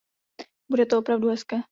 Bude to opravdu hezké.